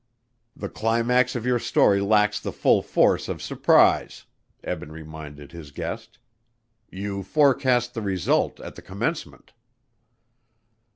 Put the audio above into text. "The climax of your story lacks the full force of surprise," Eben reminded his guest. "You forecast the result at the commencement."